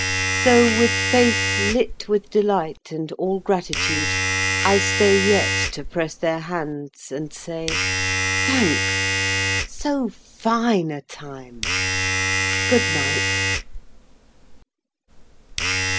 So, with face lit with delightAnd all gratitude, I stayYet to press their hands and say,"Thanks.—So fine a time! Good night."